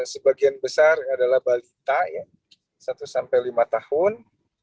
sebagian besar adalah balita satu sampai lima tahun